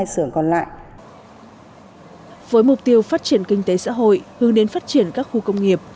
hai xưởng còn lại với mục tiêu phát triển kinh tế xã hội hướng đến phát triển các khu công nghiệp